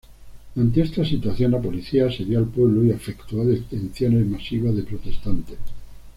Ante esta situación, la policía asedió el pueblo y efectuó detenciones masivas de protestantes.